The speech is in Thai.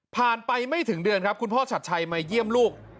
ไปไม่ถึงเดือนครับคุณพ่อชัดชัยมาเยี่ยมลูก